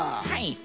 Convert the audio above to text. はい。